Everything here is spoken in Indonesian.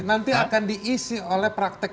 nanti akan diisi oleh praktek